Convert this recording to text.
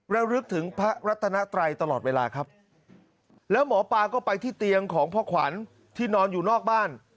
ระลึกถึงพระรัตนไตรตลอดเวลาครับแล้วหมอปลาก็ไปที่เตียงของพ่อขวัญที่นอนอยู่นอกบ้าน